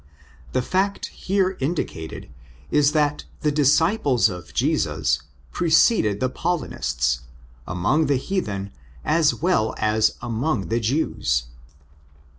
The fact here indicated is that the '' disciples of Jesus" preceded the Paulinists, among the heathen as well as among the Jews.